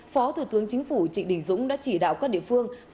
phó thủ tướng chính phủ trịnh đình dũng đã chỉ đạo các địa phương